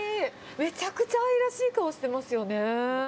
めちゃくちゃ愛らしい顔してますよね。